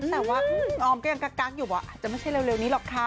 แต่ว่าออมก็ยังกักอยู่ว่าอาจจะไม่ใช่เร็วนี้หรอกค่ะ